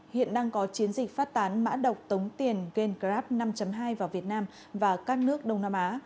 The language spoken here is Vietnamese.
hiện đang có chiến dịch phát tán mã độc tống tiền gan grab năm hai vào việt nam và các nước đông nam á